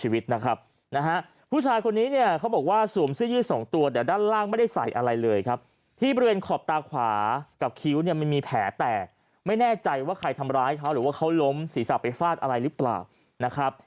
ว่าเขาล้มศีรษะไปฟาดอะไรหรือเปล่า